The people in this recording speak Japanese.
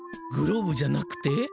グローブじゃなくて？